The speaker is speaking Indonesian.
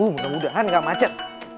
mudah mudahan enggak macet